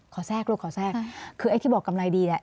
ขอแทรกคือไอ้ที่บอกกำไรดี